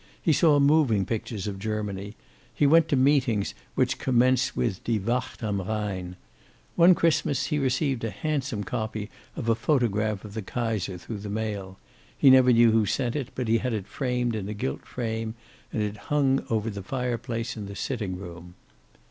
He saw moving pictures of Germany; he went to meetings which commenced with "Die Wacht am Rhine." One Christmas he received a handsome copy of a photograph of the Kaiser through the mail. He never knew who sent it, but he had it framed in a gilt frame, and it hung over the fireplace in the sitting room.